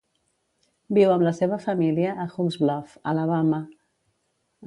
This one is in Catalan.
Viu amb la seva família a Hokes Bluff, Alabama.